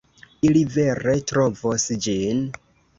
Ili vere trovos ĝin.